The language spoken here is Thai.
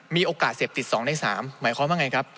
มีโอกาสเสพติด๒ใน๓หมายความว่าไงครับ